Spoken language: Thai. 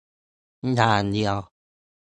อย่างเดียว